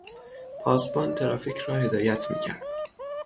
پاسبان ترافیک را هدایت میکرد.